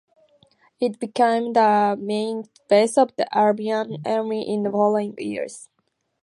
It became the main base of the Armenian army in the following years.